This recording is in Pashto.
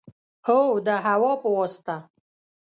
هو، د هوا په واسطه